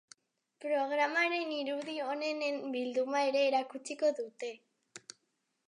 Programaren irudi onenen bilduma ere erakutsiko dute.